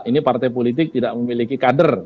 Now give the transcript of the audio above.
ini partai politik tidak memiliki kader